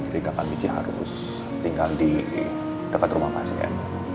jadi kak amici harus tinggal di dekat rumah pasien